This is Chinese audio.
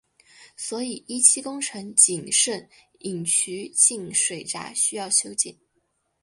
所以一期工程仅剩引渠进水闸需要修建。